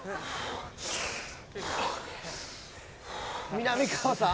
みなみかわさん